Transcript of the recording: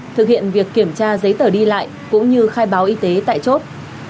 thực hiện việc kiểm tra giấy tờ đi lại cũng như khai báo y tế tại chốt